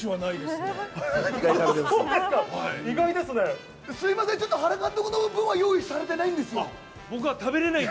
すいません、ちょっと原監督の分は用意されてないんですよ。